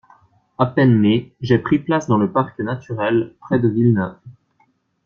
À peine né, j’ai pris place dans le Parc Naturel, près de Villeneuve.